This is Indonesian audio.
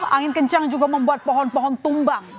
angin kencang juga membuat pohon pohon tumbang